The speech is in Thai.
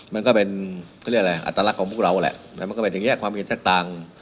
มันก็เป็นอัตรรักของพวกเราแหละมันก็เป็นอย่างนี้ความทิ้งต่าง